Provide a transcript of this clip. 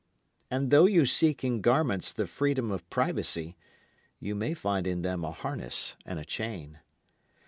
And though you seek in garments the freedom of privacy you may find in them a harness and a chain.